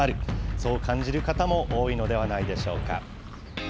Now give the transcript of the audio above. そう感じる方も多いのではないでしょうか。